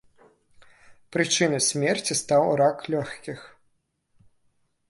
Прычынай смерці стаў рак лёгкіх.